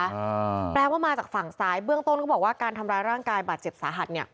อ่าแปลว่ามาจากฝั่งซ้ายเบื้องต้นเขาบอกว่าการทำร้ายร่างกายบาดเจ็บสาหัสเนี้ย